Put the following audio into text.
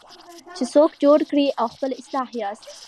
چې څوک جوړ کړئ او خپله اصلاح یاست.